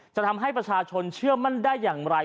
จะทำให้ประชาชนเชื่อมั่นได้อย่างไร